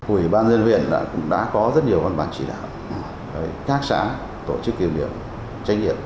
ủy ban dân huyện đã có rất nhiều văn bản chỉ đạo các xã tổ chức kiểm điểm trách nhiệm